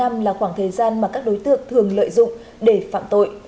năm là khoảng thời gian mà các đối tượng thường lợi dụng để phạm tội